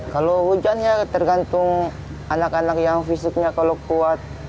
kalau hujannya tergantung anak anak yang fisiknya kalau kuat